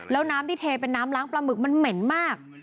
แล้วน้ำที่เทเป็นน้ำล้างปลาหมึกมันเหม็นมาก